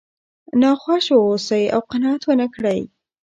ناخوښ واوسئ او قناعت ونه کړئ.